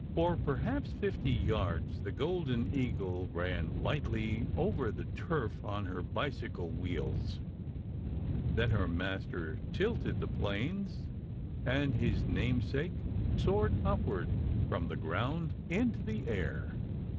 For perhaps fifty yards the Golden Eagle ran lightly over the turf on her bicycle wheels; then her master tilted the planes, and his namesake soared upward from the ground into the air.